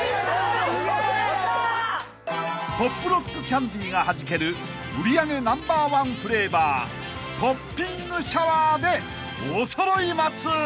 ［ポップロックキャンディがはじける売り上げナンバーワンフレーバーポッピングシャワーでおそろい松！］